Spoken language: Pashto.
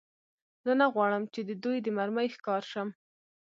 زه نه غواړم، چې د دوی د مرمۍ ښکار شم.